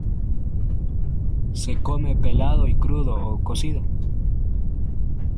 Se come pelado y crudo o cocido.